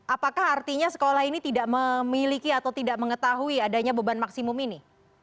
apakah artinya sekolah ini tidak memiliki atau tidak mengetahui adanya beban maksimum ini